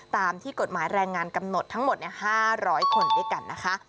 ตามที่กฎหมายแรงงานกำหนดทั้งหมด๕๐๐คนด้วยกันนะคะ